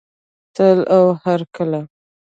تل او هرکله.